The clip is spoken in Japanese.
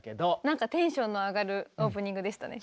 なんかテンションの上がるオープニングでしたね。